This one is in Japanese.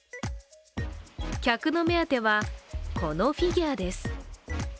客の目当ては、このフィギュアです。